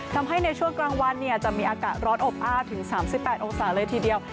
ในช่วงกลางวันจะมีอากาศร้อนอบอ้าวถึง๓๘องศาเลยทีเดียว